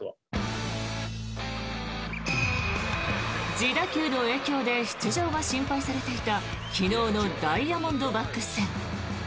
自打球の影響で出場が心配されていた昨日のダイヤモンドバックス戦。